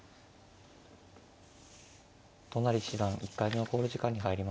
都成七段１回目の考慮時間に入りました。